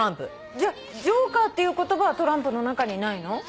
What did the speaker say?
じゃあ「ジョーカー」っていう言葉はトランプの中にないの？